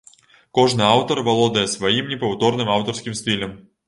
Кожны аўтар валодае сваім непаўторным аўтарскім стылем.